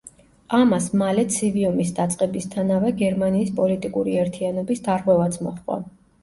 ამას მალე ცივი ომის დაწყებისთანავე გერმანიის პოლიტიკური ერთიანობის დარღვევაც მოჰყვა.